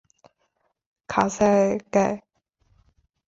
卡萨盖。